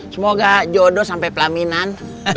semoga jodoh sampe pelaminan